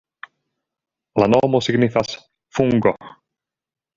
La nomo signifas: fungo.